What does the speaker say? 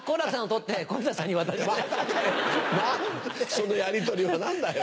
そのやりとりは何だよ。